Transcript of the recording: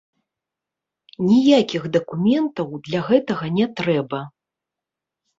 Ніякіх дакументаў для гэтага не трэба.